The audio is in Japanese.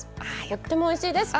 とってもおいしいです。